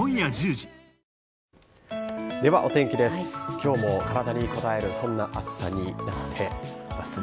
今日も体にこたえるそんな暑さになっていますね。